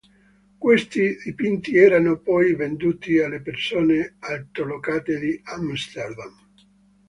Questi dipinti erano poi venduti alle persone altolocate di Amsterdam.